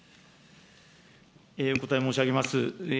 お答え申し上げます。